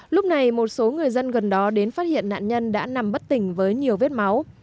lúc này một số người dân gần đó đến phát hiện nạn nhân đã nằm bất tỉnh với nhiều vết máu